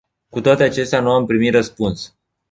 Cu toate acestea, nu am primit răspuns.